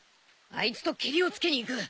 あいつとけりをつけに行く。